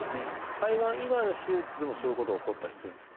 肺がん以外の手術でもそういうことが起こったりするんですか？